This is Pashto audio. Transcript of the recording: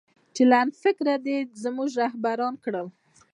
چې لنډفکره دې زموږه رهبران کړل